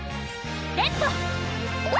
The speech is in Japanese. レッド！